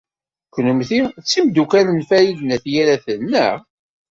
Kennemti d timeddukal n Farid n At Yiraten, naɣ?